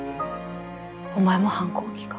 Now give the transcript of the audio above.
お前も反抗期か。